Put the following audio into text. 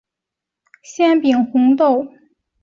纤柄红豆为豆科红豆属下的一个种。